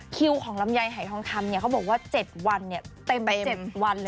คิวของลำไยไหทองคำเขาบอกว่า๗วันเต็ม